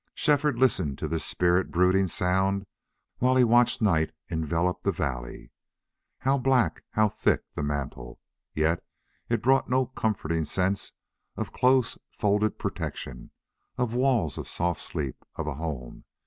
Shefford listened to this spirit brooding sound while he watched night envelop the valley. How black, how thick the mantle! Yet it brought no comforting sense of close folded protection, of walls of soft sleep, of a home.